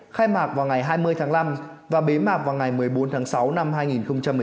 khai mạc vào ngày hai mươi tháng năm và bế mạc vào ngày một mươi bốn tháng sáu năm hai nghìn một mươi chín